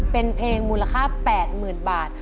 เป็นเพลงมูลค่า๘๐๐๐บาท